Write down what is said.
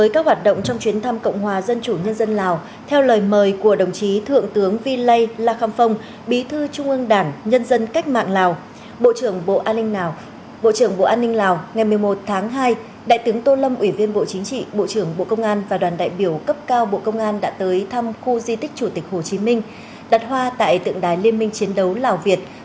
các bạn hãy đăng ký kênh để ủng hộ kênh của chúng mình nhé